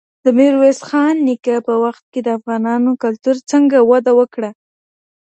د ميرويس خان نيکه په وخت کي د افغانانو کلتور څنګه وده وکړه؟